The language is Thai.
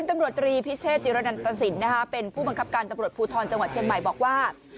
ไม่รอดค่ะ